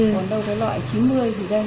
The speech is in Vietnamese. còn đâu có loại chín mươi thì đây